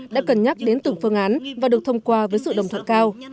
đã cần nhắc đến từng phương án và được thông qua với sự đồng thuận cao